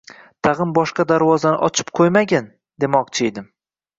Tag‘in boshqa darvozani ochib qo‘ymagin, demoqchiydim